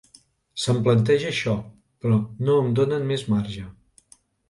Se’m planteja això, però no em donen més marge.